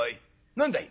何だい？」。